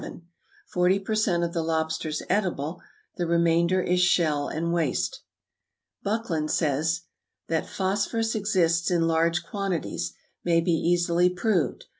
Forty per cent of the lobster is edible, the remainder is shell and waste. Buckland says, "That phosphorus exists in large quantities, may be easily proved.